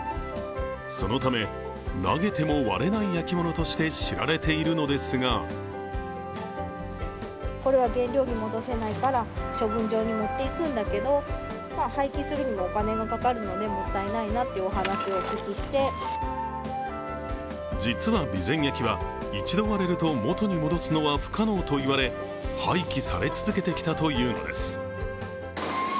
そのため、投げても割れない焼き物として知られているのですが実は備前焼は一度割れると元に戻すのは不可能と言われ、廃棄され続けてきたというのです。